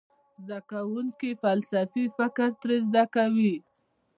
زده کوونکي فلسفي فکر ترې زده کوي.